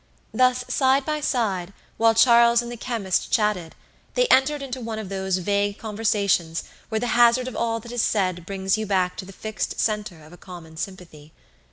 Thus side by side, while Charles and the chemist chatted, they entered into one of those vague conversations where the hazard of all that is said brings you back to the fixed centre of a common sympathy.